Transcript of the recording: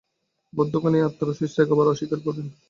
বৌদ্ধগণ এই আত্মার অস্তিত্ব একেবারে অস্বীকার করেন।